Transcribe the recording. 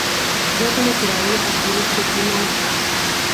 Гэта, натуральна, адбілася і на альбоме.